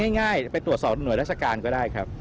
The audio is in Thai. ง่ายไปตรวจสอบหน่วยราชการก็ได้ครับ